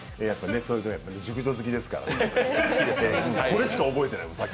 熟女好きですから、これしか覚えてない。